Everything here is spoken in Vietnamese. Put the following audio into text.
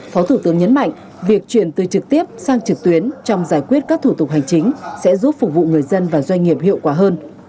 phó thủ tướng nhấn mạnh việc chuyển từ trực tiếp sang trực tuyến trong giải quyết các thủ tục hành chính sẽ giúp phục vụ người dân và doanh nghiệp hiệu quả hơn